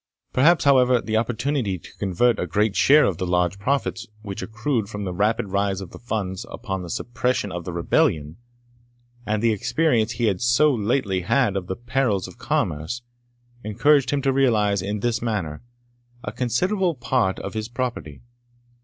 Perhaps, however, the opportunity to convert a great share of the large profits which accrued from the rapid rise of the funds upon the suppression of the rebellion, and the experience he had so lately had of the perils of commerce, encouraged him to realise, in this manner, a considerable part of his property.